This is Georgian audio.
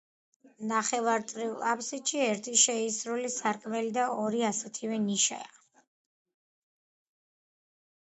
ნახევარწრიულ აფსიდში ერთი შეისრული სარკმელი და ორი ასეთივე ნიშია.